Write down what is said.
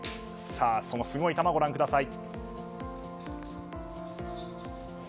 そのすごい球をご覧ください。